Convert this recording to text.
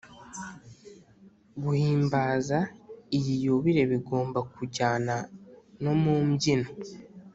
guhimbaza iyi yubile bigomba kujyana no mumbyino